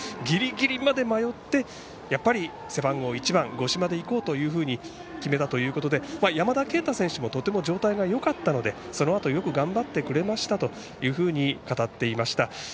ギリギリまで迷ってやっぱり背番号１番五島でいこうと決めたということで山田渓太選手もとても状態がよかったのでそのあとよく頑張ってくれましたというふうに語っていました。